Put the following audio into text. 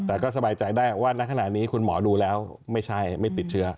แต่ก็สบายใจได้ว่าณขณะนี้คุณหมอดูแล้วไม่ใช่ไม่ติดเชื้อ